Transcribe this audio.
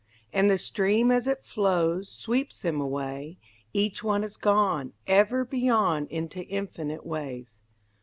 And the stream as it flows Sweeps them away, Each one is gone Ever beyond into infinite ways.